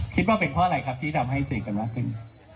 คิดว่าเป็นเพราะอะไรครับที่ทำให้สนิทกันมากขึ้น